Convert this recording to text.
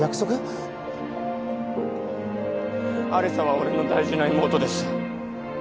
有沙は俺の大事な妹です。